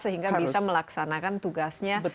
sehingga bisa melaksanakan tugasnya